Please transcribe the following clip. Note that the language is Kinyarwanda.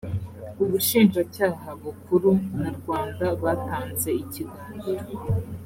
ubushinjacyaha bukuru na rwanda batanze ikiganiro